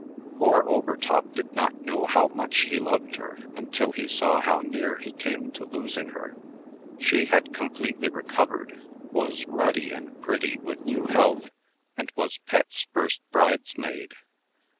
Poor Overtop did not know how much he loved her, until he saw how near he came to losing her. She had completely recovered, was ruddy and pretty with new health, and was Pet's first bridesmaid.